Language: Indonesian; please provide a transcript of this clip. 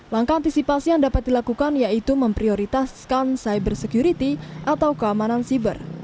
langkah antisipasi yang dapat dilakukan yaitu memprioritaskan cyber security atau keamanan siber